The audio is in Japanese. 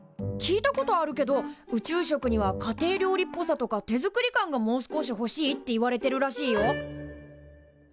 聞いたことあるけど宇宙食には家庭料理っぽさとか手作り感がもう少しほしいっていわれてるらしいよ。